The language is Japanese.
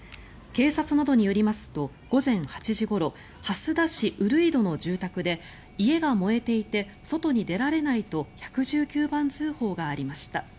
警察などによりますと午前８時ごろ蓮田市閏戸の住宅で家が燃えていて外に出られないと１１９番通報がありました。